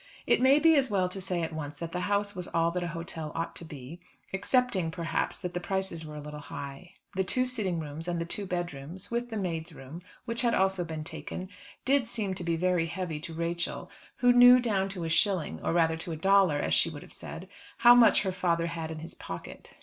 It may be as well to say at once that the house was all that an hotel ought to be, excepting, perhaps, that the prices were a little high. The two sitting rooms and the two bedrooms with the maid's room, which had also been taken did seem to be very heavy to Rachel, who knew down to a shilling or rather, to a dollar, as she would have said how much her father had in his pocket.